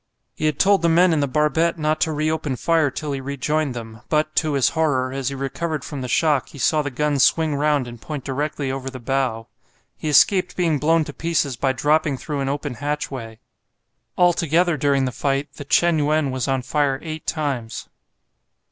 He had told the men in the barbette not to reopen fire till he rejoined them, but, to his horror, as he recovered from the shock he saw the guns swing round and point directly over the bow. He escaped being blown to pieces by dropping through an open hatchway. Altogether during the fight the "Chen yuen" was on fire eight times.